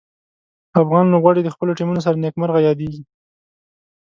افغان لوبغاړي د خپلو ټیمونو سره نیک مرغه یادیږي.